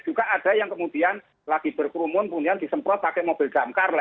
juga ada yang kemudian lagi berkrumun kemudian disemprot pakai mobil jamkar lah